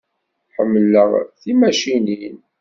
Ḥemmleɣ timacinin.